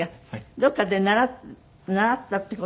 どこかで習ったっていう事はない？